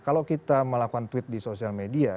kalau kita melakukan tweet di sosial media